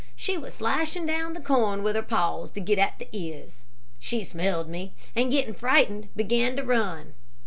She was slashing down the corn with her paws to get at the ears. She smelled me, and getting frightened began to run.